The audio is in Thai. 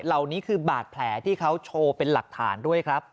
เหล่านี้คือบาดแผลที่เขาโชว์เป็นหลักฐานด้วยครับ